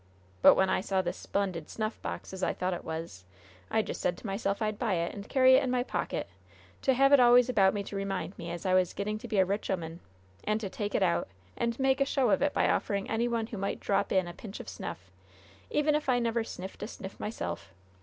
But when I saw this splendid snuffbox as I thought it was I just said to myself I'd buy it, and carry it in my pocket, to have it always about me to remind me as I was getting to be a rich 'oman, and to take it out and make a show of it by offering of any one who might drop in a pinch of snuff, even if I never sniffed a sniff myself.